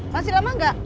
masih lama gak